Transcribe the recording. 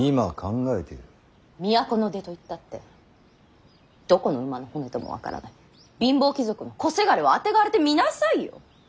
都の出といったってどこの馬の骨とも分からない貧乏貴族の小せがれをあてがわれてみなさいよ。